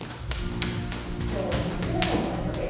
今日３つ目のポイントです。